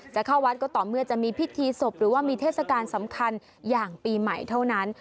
จะเข้าวัดก็ต่อเมื่อจะมีพิธีศพหรือว่ามีเทศกาลสำคัญอย่างปีใหม่เท่านั้น